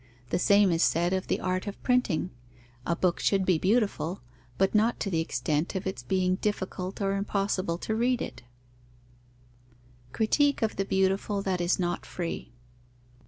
The same is said of the art of printing: a book should be beautiful, but not to the extent of its being difficult or impossible to read it. _Critique of the beautiful that is not free.